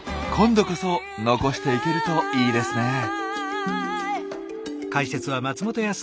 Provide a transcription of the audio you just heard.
今度こそ残していけるといいですね。